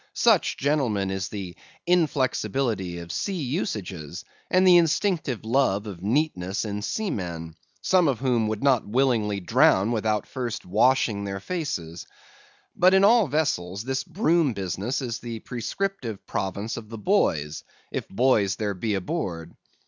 Such, gentlemen, is the inflexibility of sea usages and the instinctive love of neatness in seamen; some of whom would not willingly drown without first washing their faces. But in all vessels this broom business is the prescriptive province of the boys, if boys there be aboard.